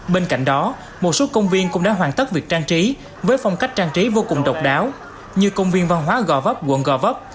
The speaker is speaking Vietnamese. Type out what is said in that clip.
bên cạnh đó một số công viên cũng đã hoàn tất việc trang trí với phong cách trang trí vô cùng độc đáo như công viên văn hóa gò vấp quận gò vấp